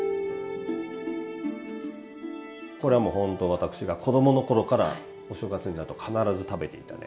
これはもうほんと私が子供の頃からお正月になると必ず食べていたね